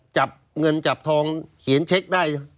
จับเงินจับทองเขียนเช็คได้